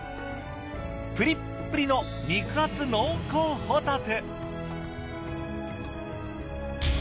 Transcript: プリップリの肉厚濃厚ホタテ。